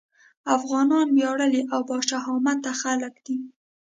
افغانان وياړلي او باشهامته خلک دي.